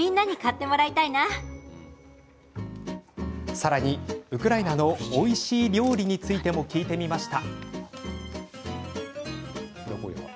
さらに、ウクライナのおいしい料理についても聞いてみました。